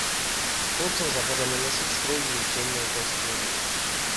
Хлопцам загадана насіць строгія цёмныя касцюмы.